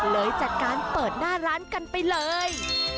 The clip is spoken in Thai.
เลยจัดการเปิดหน้าร้านกันไปเลย